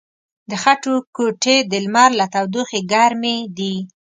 د خټو کوټې د لمر له تودوخې ګرمې دي.